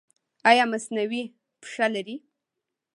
ایا مصنوعي پښه لرئ؟